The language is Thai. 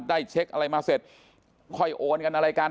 ได้เช็คอะไรมาเสร็จค่อยโอนกันอะไรกัน